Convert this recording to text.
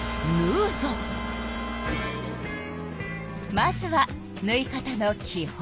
まずはぬい方のき本。